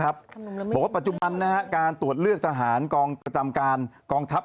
บอกว่าปัจจุบันการตรวจเลือกทหารกองประจำการกองทัพ